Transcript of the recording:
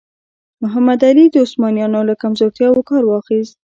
محمد علي د عثمانیانو له کمزورتیاوو کار واخیست.